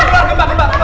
keluar keluar gempa gempa